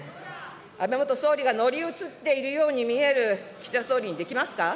安倍元総理が乗り移っているように見える、岸田総理にできますか。